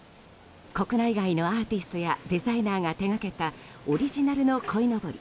国内外のアーティストやデザイナーが手掛けたオリジナルのこいのぼり